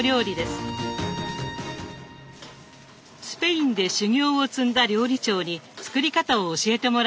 スペインで修業を積んだ料理長に作り方を教えてもらいました。